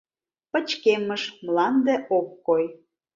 Пычкемыш — мланде ок кой.